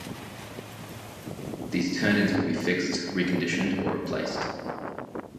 These "turn-ins" will be fixed, reconditioned, or replaced.